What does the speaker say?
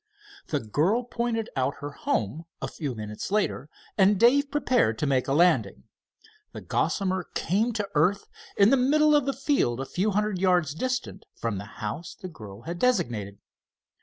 The girl pointed out her home a few minutes later, and Dave prepared to make a landing. The Gossamer came to earth in the middle of a field a few hundred yards distant from the house the girl had designated.